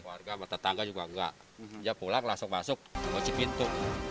enggak keluarga tetangga juga enggak dia pulang langsung masuk mencuci pintu